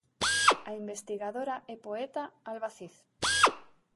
A investigadora e poeta Alba Cid.